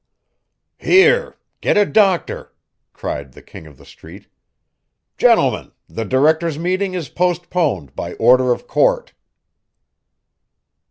"Here! get a doctor!" cried the King of the Street. "Gentlemen, the directors' meeting is postponed, by order of court."